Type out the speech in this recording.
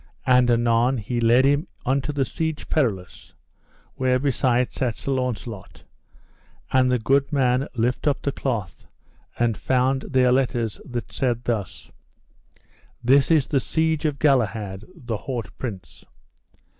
And anon he led him unto the Siege Perilous, where beside sat Sir Launcelot; and the good man lift up the cloth, and found there letters that said thus: This is the siege of Galahad, the haut prince.